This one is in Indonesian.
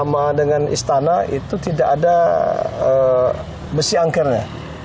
sama dengan istana itu tidak ada besi angkernya